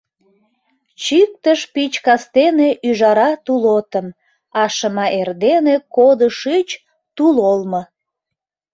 Чӱктыш пич кастене ӱжара-тулотым, А шыма эрдене кодо шӱч, тулолмо.